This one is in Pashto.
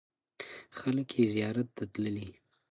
خلک یې زیارت ته تللي.